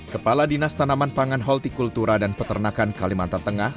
kepala dinas tanaman pangan holtikultura dan peternakan kalimantan tengah